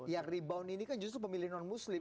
yang rebound ini kan justru pemilih non muslim